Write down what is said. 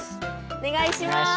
お願いします！